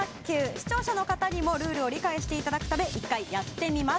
視聴者の方にもルールを理解していただくため１回、やってみます。